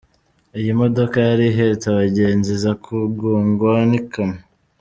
Iyi modoka yari ihetse abagenzi iza kugongwa n’ikamyo.